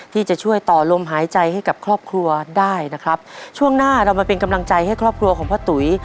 ที่จะช่วยต่อลมหายใจให้กับครอบครัวได้นะครับช่วงหน้าเรามาเป็นกำลังใจให้ครอบครัวของพ่อตุ๋ย